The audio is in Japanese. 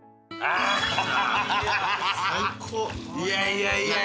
いやいや！